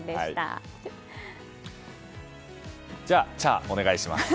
じゃあ、チャーお願いします。